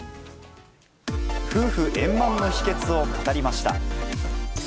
夫婦円満の秘けつを語りました。